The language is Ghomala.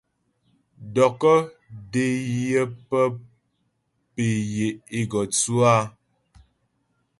Dɔkɔ́́ dé yə pə pé yə́ é gɔ tsʉ áa.